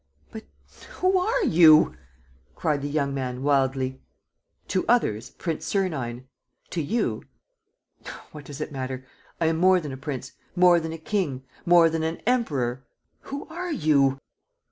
"But who are you?" cried the young man, wildly. "To others, Prince Sernine. ... To you ... what does it matter? I am more than a prince, more than a king, more than an emperor. ..." "Who are you?